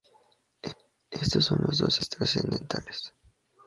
Éstos son los doce "Estudios trascendentales".